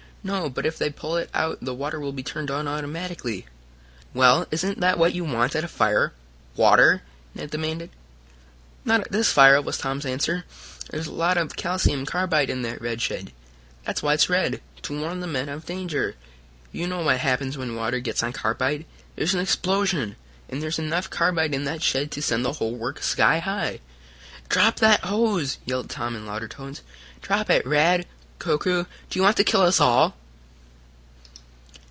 "No, but if they pull it out the water will be turned on automatically." "Well, isn't that what you want at a fire water?" Ned demanded. "Not at this fire," was Tom's answer. "There's a lot of calcium carbide in that red shed that's why it's red to warn the men of danger. You know what happens when water gets on carbide there's an explosion, and there's enough carbide in that shed to send the whole works sky high. "Drop that hose!" yelled Tom in louder tones. "Drop it, Rad Koku! Do you want to kill us all!"